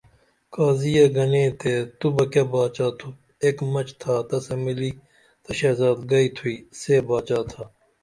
قاضیے گنے تے تو بہ کیہ باچا تُھوپ ایک مچ تھا تسہ ملی تہ شہزادگئی تھوئی سے باچا تھا